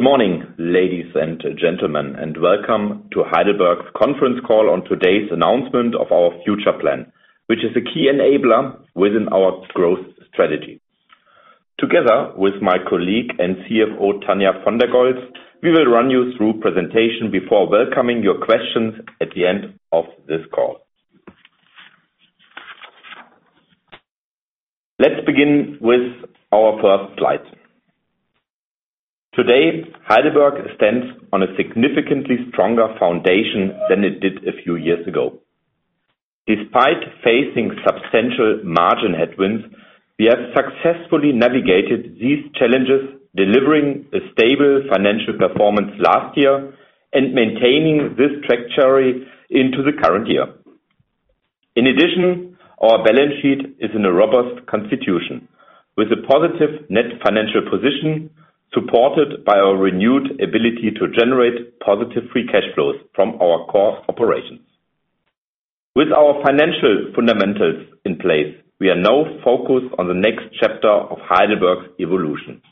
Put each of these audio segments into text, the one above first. Good morning, ladies and gentlemen, and welcome to Heidelberg's conference call on today's announcement of our future plan, which is a key enabler within our growth strategy. Together with my colleague and CFO, Tania von der Goltz, we will run you through the presentation before welcoming your questions at the end of this call. Let's begin with our first slide. Today, Heidelberg stands on a significantly stronger foundation than it did a few years ago. Despite facing substantial margin headwinds, we have successfully navigated these challenges, delivering a stable financial performance last year and maintaining this trajectory into the current year. In addition, our balance sheet is in a robust constitution with a positive net financial position supported by our renewed ability to generate positive free cash flows from our core operations. With our financial fundamentals in place, we are now focused on the next chapter of Heidelberg's evolution.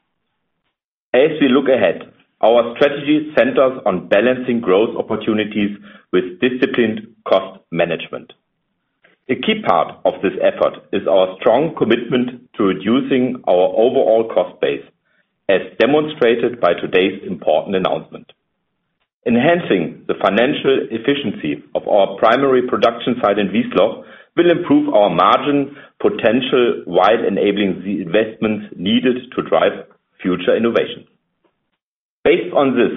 As we look ahead, our strategy centers on balancing growth opportunities with disciplined cost management. A key part of this effort is our strong commitment to reducing our overall cost base, as demonstrated by today's important announcement. Enhancing the financial efficiency of our primary production site in Wiesloch will improve our margin potential while enabling the investments needed to drive future innovation. Based on this,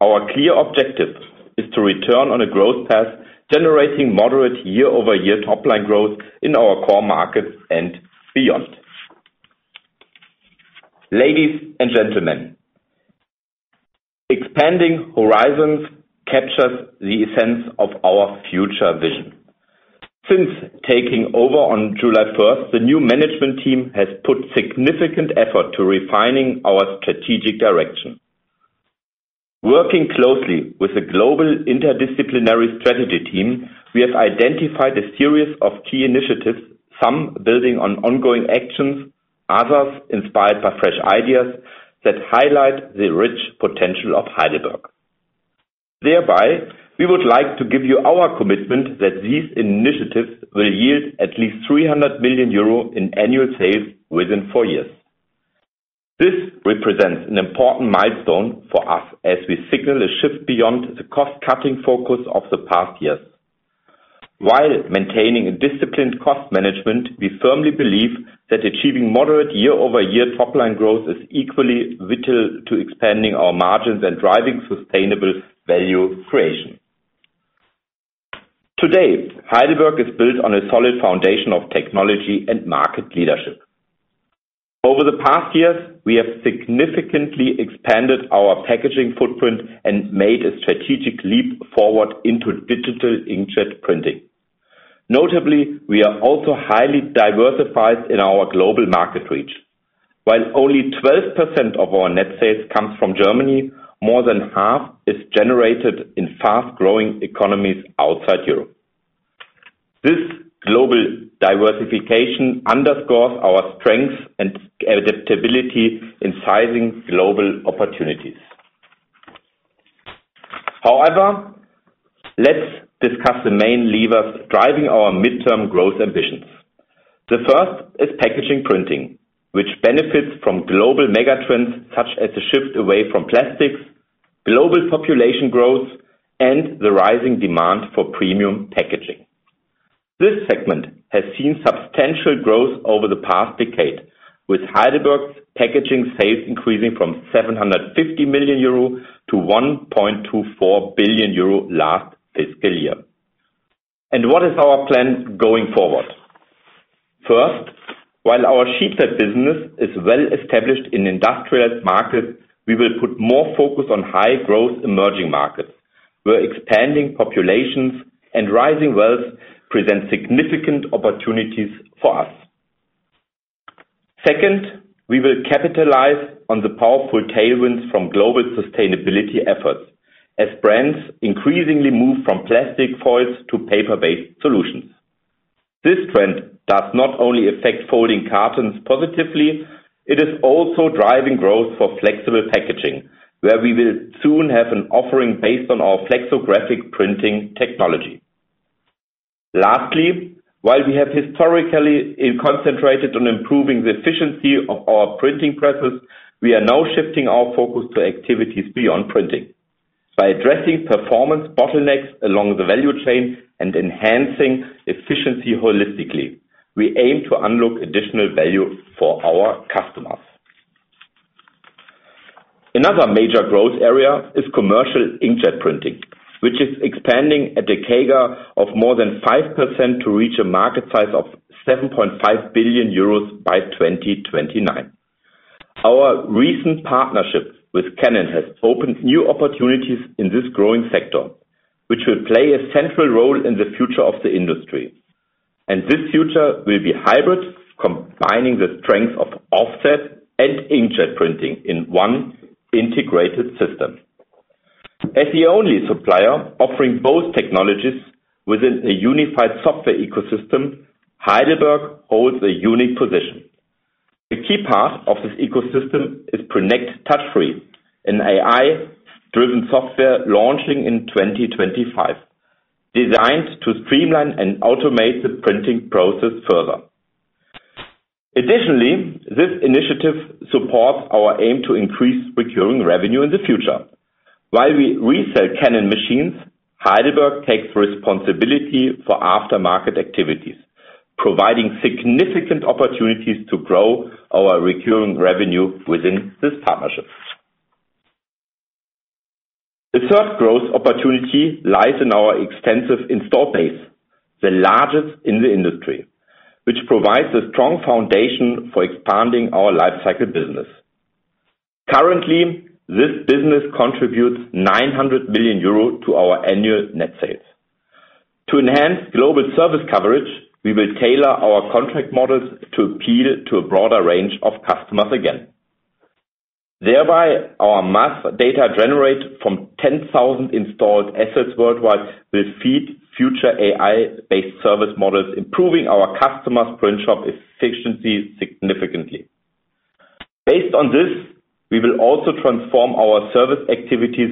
our clear objective is to return on a growth path, generating moderate year-over-year top-line growth in our core markets and beyond. Ladies and gentlemen, expanding horizons captures the essence of our future vision. Since taking over on July 1st, the new management team has put significant effort into refining our strategic direction. Working closely with the global interdisciplinary strategy team, we have identified a series of key initiatives, some building on ongoing actions, others inspired by fresh ideas that highlight the rich potential of Heidelberg. Thereby, we would like to give you our commitment that these initiatives will yield at least 300 million euro in annual sales within four years. This represents an important milestone for us as we signal a shift beyond the cost-cutting focus of the past years. While maintaining a disciplined cost management, we firmly believe that achieving moderate year-over-year top-line growth is equally vital to expanding our margins and driving sustainable value creation. Today, Heidelberg is built on a solid foundation of technology and market leadership. Over the past years, we have significantly expanded our packaging footprint and made a strategic leap forward into digital inkjet printing. Notably, we are also highly diversified in our global market reach. While only 12% of our net sales comes from Germany, more than half is generated in fast-growing economies outside Europe. This global diversification underscores our strengths and adaptability in sizing global opportunities. However, let's discuss the main levers driving our midterm growth ambitions. The first is packaging printing, which benefits from global megatrends such as the shift away from plastics, global population growth, and the rising demand for premium packaging. This segment has seen substantial growth over the past decade, with Heidelberg's packaging sales increasing from 750 million euro to 1.24 billion euro last fiscal year, and what is our plan going forward? First, while our sheetfed business is well established in industrial markets, we will put more focus on high-growth emerging markets, where expanding populations and rising wealth present significant opportunities for us. Second, we will capitalize on the powerful tailwinds from global sustainability efforts as brands increasingly move from plastic foils to paper-based solutions. This trend does not only affect folding cartons positively. It is also driving growth for flexible packaging, where we will soon have an offering based on our flexographic printing technology. Lastly, while we have historically concentrated on improving the efficiency of our printing presses, we are now shifting our focus to activities beyond printing. By addressing performance bottlenecks along the value chain and enhancing efficiency holistically, we aim to unlock additional value for our customers. Another major growth area is commercial inkjet printing, which is expanding at a CAGR of more than 5% to reach a market size of 7.5 billion euros by 2029. Our recent partnership with Canon has opened new opportunities in this growing sector, which will play a central role in the future of the industry. And this future will be hybrid, combining the strengths of offset and inkjet printing in one integrated system. As the only supplier offering both technologies within a unified software ecosystem, Heidelberg holds a unique position. A key part of this ecosystem is Prinect Touch Free, an AI-driven software launching in 2025, designed to streamline and automate the printing process further. Additionally, this initiative supports our aim to increase recurring revenue in the future. While we resell Canon machines, Heidelberg takes responsibility for aftermarket activities, providing significant opportunities to grow our recurring revenue within this partnership. The third growth opportunity lies in our extensive installed base, the largest in the industry, which provides a strong foundation for expanding our lifecycle business. Currently, this business contributes 900 million euro to our annual net sales. To enhance global service coverage, we will tailor our contract models to appeal to a broader range of customers again. Thereby, our mass data generated from 10,000 installed assets worldwide will feed future AI-based service models, improving our customers' print shop efficiency significantly. Based on this, we will also transform our service activities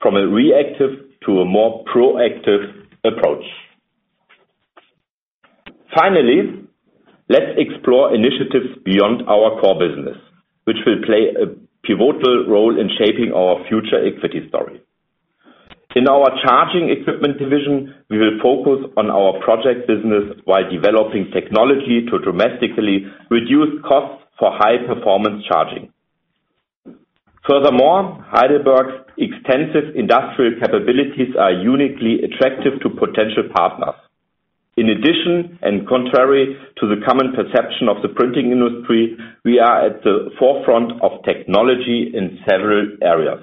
from a reactive to a more proactive approach. Finally, let's explore initiatives beyond our core business, which will play a pivotal role in shaping our future equity story. In our charging equipment division, we will focus on our project business while developing technology to drastically reduce costs for high-performance charging. Furthermore, Heidelberg's extensive industrial capabilities are uniquely attractive to potential partners. In addition, and contrary to the common perception of the printing industry, we are at the forefront of technology in several areas.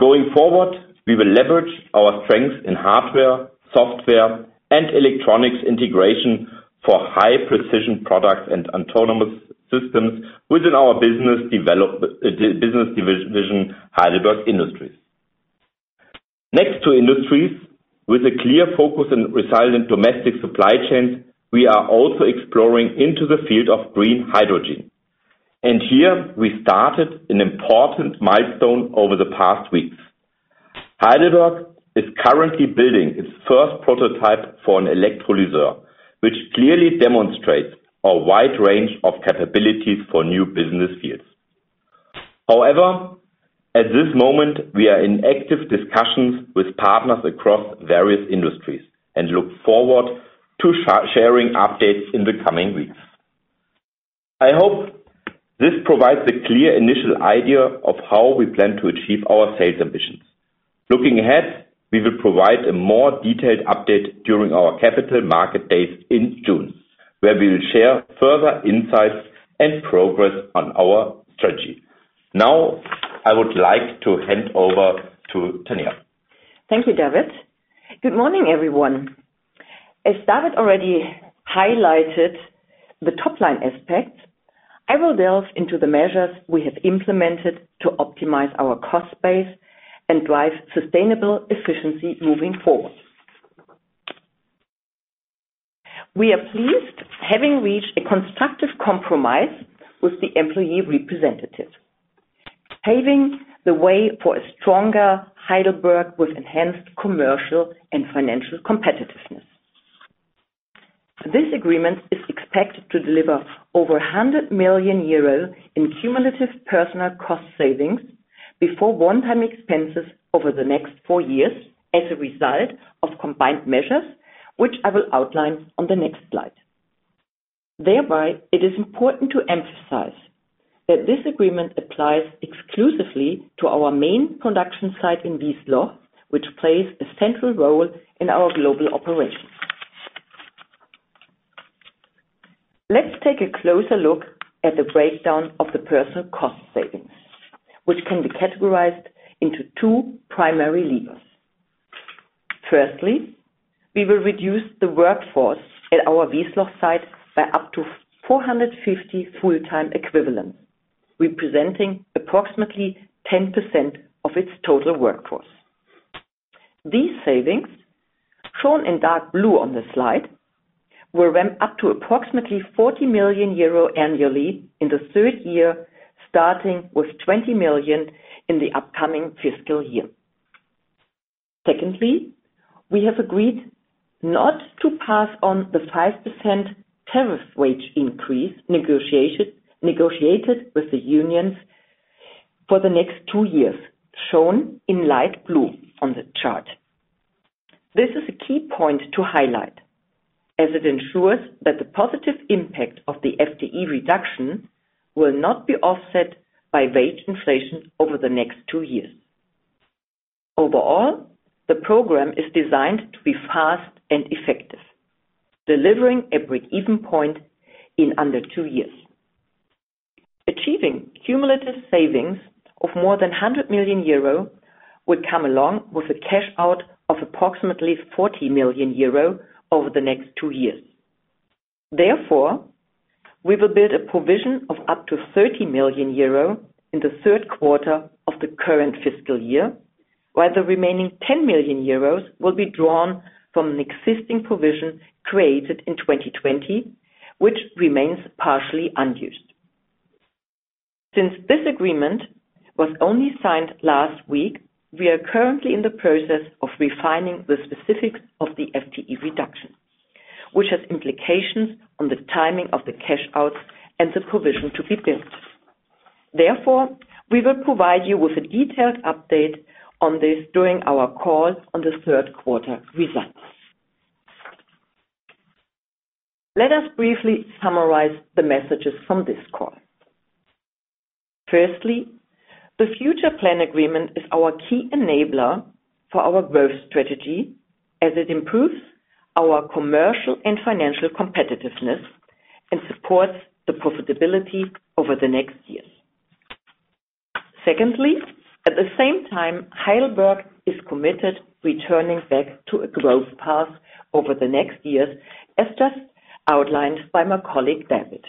Going forward, we will leverage our strengths in hardware, software, and electronics integration for high-precision products and autonomous systems within our business division, Heidelberg Industry. Next to industries, with a clear focus on resilient domestic supply chains, we are also exploring into the field of green hydrogen. And here, we started an important milestone over the past weeks. Heidelberg is currently building its first prototype for an electrolyzer, which clearly demonstrates our wide range of capabilities for new business fields. However, at this moment, we are in active discussions with partners across various industries and look forward to sharing updates in the coming weeks. I hope this provides a clear initial idea of how we plan to achieve our sales ambitions. Looking ahead, we will provide a more detailed update during our Capital Market Days in June, where we will share further insights and progress on our strategy. Now, I would like to hand over to Tania. Thank you, David. Good morning, everyone. As David already highlighted, the top-line aspects, I will delve into the measures we have implemented to optimize our cost base and drive sustainable efficiency moving forward. We are pleased having reached a constructive compromise with the employee representatives, paving the way for a stronger Heidelberg with enhanced commercial and financial competitiveness. This agreement is expected to deliver over 100 million euros in cumulative personnel cost savings before one-time expenses over the next four years as a result of combined measures, which I will outline on the next slide. Thereby, it is important to emphasize that this agreement applies exclusively to our main production site in Wiesloch, which plays a central role in our global operations. Let's take a closer look at the breakdown of the personnel cost savings, which can be categorized into two primary levers. Firstly, we will reduce the workforce at our Wiesloch site by up to 450 full-time equivalents, representing approximately 10% of its total workforce. These savings, shown in dark blue on the slide, will ramp up to approximately 40 million euro annually in the third year, starting with 20 million in the upcoming fiscal year. Secondly, we have agreed not to pass on the 5% tariff wage increase negotiated with the unions for the next two years, shown in light blue on the chart. This is a key point to highlight, as it ensures that the positive impact of the FTE reduction will not be offset by wage inflation over the next two years. Overall, the program is designed to be fast and effective, delivering a break-even point in under two years. Achieving cumulative savings of more than 100 million euro would come along with a cash out of approximately 40 million euro over the next two years. Therefore, we will build a provision of up to 30 million euro in the third quarter of the current fiscal year, while the remaining 10 million euros will be drawn from an existing provision created in 2020, which remains partially unused. Since this agreement was only signed last week, we are currently in the process of refining the specifics of the FTE reduction, which has implications on the timing of the cash out and the provision to be built. Therefore, we will provide you with a detailed update on this during our call on the third quarter results. Let us briefly summarize the messages from this call. Firstly, the future plan agreement is our key enabler for our growth strategy, as it improves our commercial and financial competitiveness and supports the profitability over the next years. Secondly, at the same time, Heidelberg is committed to returning back to a growth path over the next years, as just outlined by my colleague David.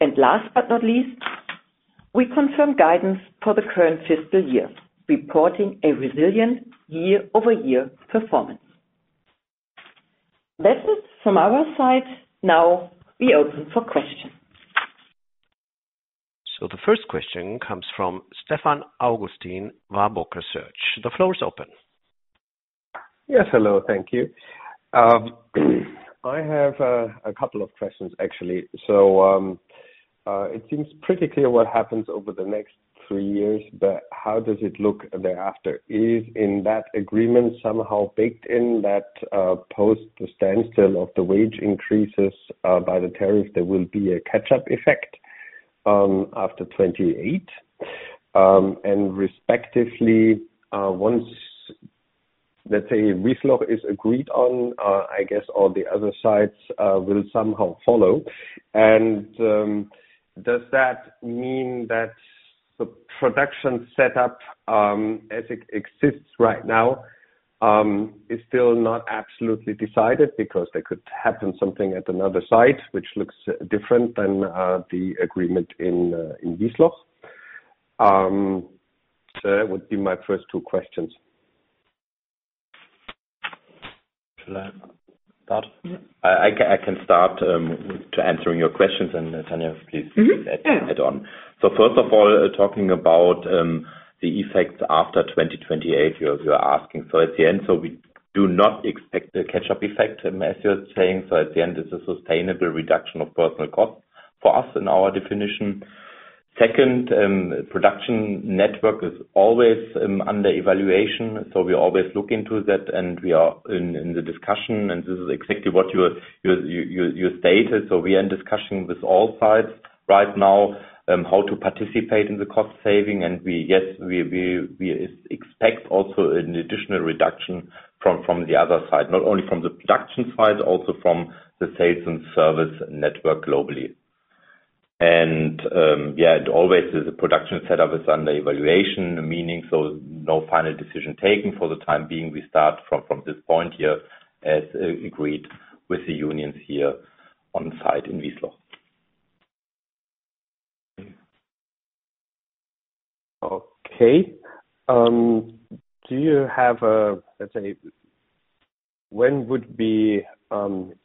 And last but not least, we confirm guidance for the current fiscal year, reporting a resilient year-over-year performance. That's it from our side. Now, we open for questions. The first question comes from Stefan Augustin Warburg Research. The floor is open. Yes, hello. Thank you. I have a couple of questions, actually. So it seems pretty clear what happens over the next three years, but how does it look thereafter? Is in that agreement somehow baked in that post-standstill of the wage increases by the tariff, there will be a catch-up effect after 2028? And respectively, once, let's say, Wiesloch is agreed on, I guess all the other sides will somehow follow. And does that mean that the production setup, as it exists right now, is still not absolutely decided because there could happen something at another site which looks different than the agreement in Wiesloch? So that would be my first two questions. I can start answering your questions, and Tania, please add on. So first of all, talking about the effects after 2028, you're asking. So at the end, we do not expect a catch-up effect, as you're saying. So at the end, it's a sustainable reduction of personnel costs for us in our definition. Second, production network is always under evaluation, so we always look into that, and we are in the discussion, and this is exactly what you stated. So we are in discussion with all sides right now how to participate in the cost saving. And yes, we expect also an additional reduction from the other side, not only from the production side, also from the sales and service network globally. And yeah, always the production setup is under evaluation, meaning no final decision taken for the time being. We start from this point here as agreed with the unions here on site in Wiesloch. Okay. Do you have a, let's say, when would we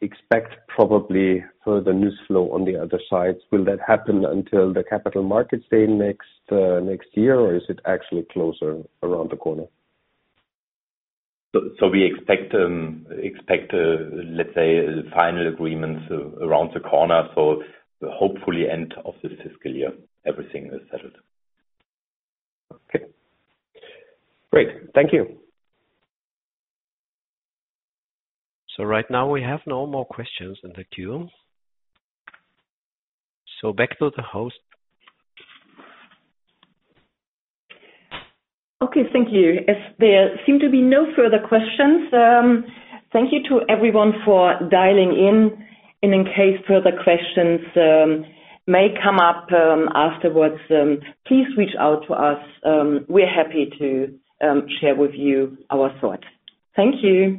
expect probably further news flow on the other sides? Will that happen until the capital markets day next year, or is it actually closer around the corner? So we expect, let's say, final agreements around the corner, so hopefully end of this fiscal year, everything is settled. Okay. Great. Thank you. So right now, we have no more questions in the queue. So back to the host. Okay. Thank you. There seem to be no further questions. Thank you to everyone for dialing in. And in case further questions may come up afterwards, please reach out to us. We're happy to share with you our thoughts. Thank you.